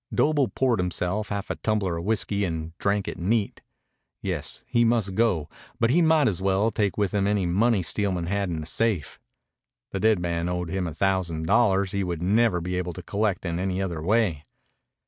Doble poured himself half a tumbler of whiskey and drank it neat. Yes, he must go, but he might as well take with him any money Steelman had in the safe. The dead man owed him a thousand dollars he would never be able to collect in any other way.